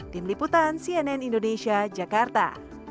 tim liputan cnn indonesia jakarta